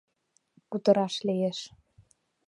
Кутыраш лиеш.